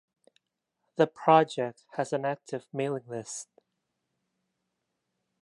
The project has an active mailing list.